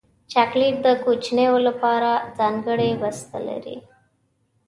چاکلېټ د کوچنیو لپاره ځانګړی بسته لري.